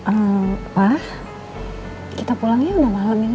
eh pak kita pulangnya udah malem ini